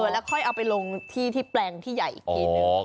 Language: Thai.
แล้วค่อยเอาไปลงที่ที่แปลงที่ใหญ่อีกทีนึง